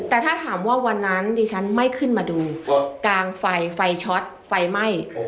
แต่ถ้าถามว่าวันนั้นดิฉันไม่ขึ้นมาดูกางไฟไฟช็อตไฟไหม้